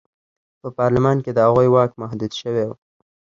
په پارلمان کې د هغوی واک محدود شوی و.